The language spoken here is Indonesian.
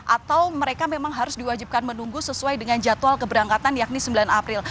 atau mereka memang harus diwajibkan menunggu sesuai dengan jadwal keberangkatan yakni sembilan april